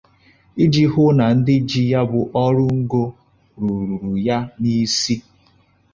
iji hụ na ndị ji ya bụ ọrụ ngo rụrùrù ya n'isi